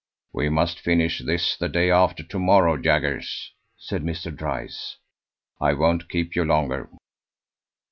"We must finish this the day after to morrow, Jaggers," said Mr. Dryce. "I won't keep you longer."